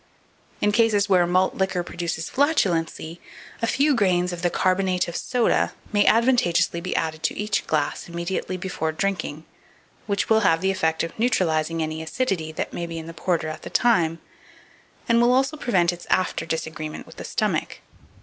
In cases where malt liquor produces flatulency, a few grains of the "carbonate of soda" may advantageously be added to each glass immediately before drinking, which will have the effect of neutralizing any acidity that may be in the porter at the time, and will also prevent its after disagreement with the stomach.